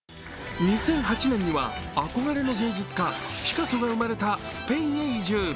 ２００８年には憧れの芸術家、ピカソが生まれたスペインへ移住。